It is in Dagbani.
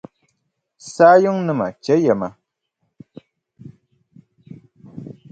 Saa yiŋnima chɛliya ma.